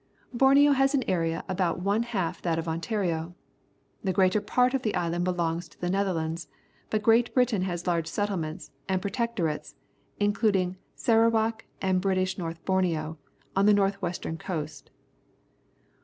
— Borneo has an area about one half of that of Ontario. The greater part of the island belongs to the Netherlands, but Great Britain has large settlements and Tapping a Rubber Tree, The East Indies protectorates, including Sarairak and British North Borneo, on the north western coast.